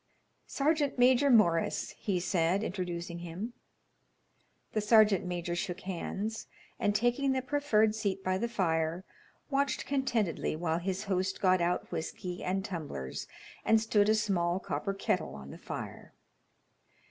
"Sergeant Major Morris," he said, introducing him. The sergeant major shook hands, and taking the proffered seat by the fire, watched contentedly while his host got out whiskey and tumblers and stood a small copper kettle on the fire.